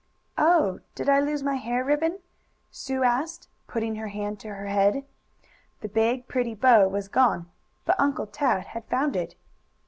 "Oh, did I lose my hair ribbon?" Sue asked, putting her hand to her head. The big, pretty bow was gone, but Uncle Tad had found it.